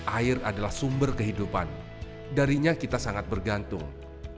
air adalah sumber kehidupan darinya kita sangat bergantung